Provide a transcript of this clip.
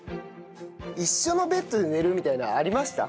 一緒のベッドで寝るみたいなのありました？